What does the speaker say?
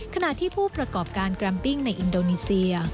ขณะที่ผู้ประกอบการแกรมปิ้งในอินโดนีเซีย